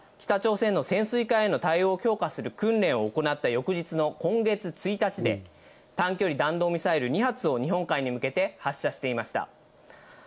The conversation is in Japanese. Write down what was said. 韓国軍によりますと、前回の発射は日米韓の３か国が北朝鮮の潜水艦への対応を強化する訓練を行った翌日の今月１日で、短距離弾道ミサイル２発を日本海に向けて発射していました。